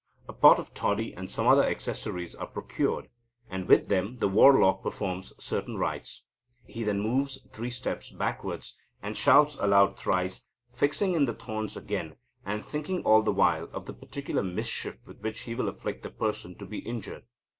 A pot of toddy, and some other accessories, are procured, and with them the warlock performs certain rites. He then moves three steps backwards, and shouts aloud thrice, fixing in the thorns again, and thinking all the while of the particular mischief with which he will afflict the person to be injured.